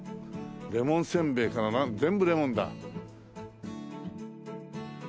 レモンせんべいから全部レモンだ。